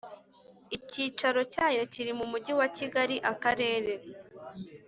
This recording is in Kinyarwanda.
Icyicaro Cyayo Kiri Mu Mujyi Wa Kigali Akarere